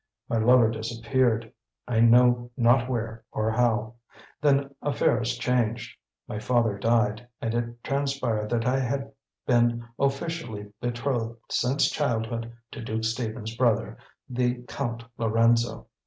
My lover disappeared, I know not where or how. Then affairs changed. My father died, and it transpired that I had been officially betrothed since childhood to Duke Stephen's brother, the Count Lorenzo.